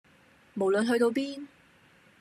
無論去到邊